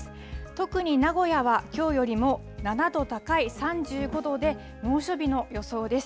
特に名古屋はきょうよりも７度高い３５度で、猛暑日の予想です。